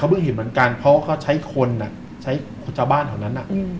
เพราะเขาใช้คนใช้จบ้านเท่านั้น